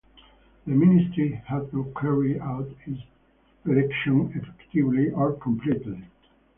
The Ministry had not carried out its redaction effectively or completely.